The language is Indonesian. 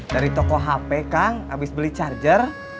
dari toko hp kang habis beli charger